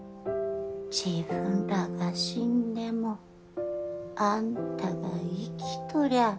自分らが死んでもあんたが生きとりゃあ